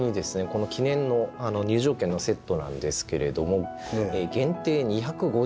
この記念の入場券のセットなんですけれども限定２５０セット販売するそうです。